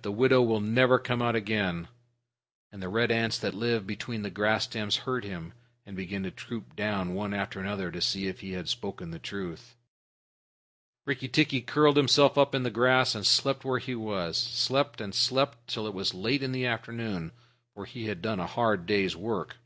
"The widow will never come out again." And the red ants that live between the grass stems heard him, and began to troop down one after another to see if he had spoken the truth. Rikki tikki curled himself up in the grass and slept where he was slept and slept till it was late in the afternoon, for he had done a hard day's work.